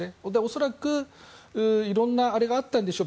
恐らく色んなあれがあったんでしょう。